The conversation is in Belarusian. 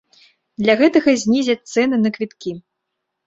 Для гэтага знізяць цэны на квіткі.